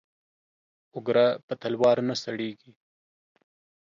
او گره په تلوار نه سړېږي.